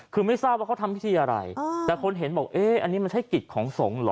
คือไม่ทราบว่าเขาทำพิธีอะไรแต่คนเห็นบอกเอ๊ะอันนี้มันใช่กิจของสงฆ์เหรอ